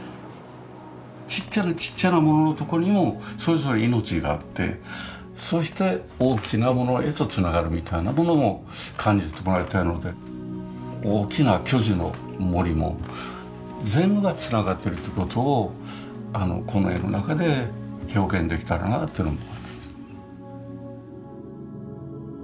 ちっちゃなちっちゃなもののところにもそれぞれ命があってそして大きなものへとつながるみたいなものも感じてもらいたいので大きな巨樹の森も全部がつながってるということをこの絵の中で表現できたらなあというのも。